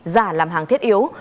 giả làm hàng thiết yếu